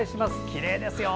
きれいですよ。